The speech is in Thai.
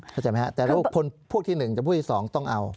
เข้าใจไหมครับแต่พวกที่๑กับพวกที่๒ต้องเอา